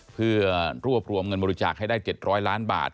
เพื่อรวบรวมเงินบริจาคให้ได้๗๐๐ล้านบาท